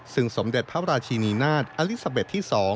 ซึ่งสมเด็จพระราชินีนาฏอลิซาเบ็ดที่๒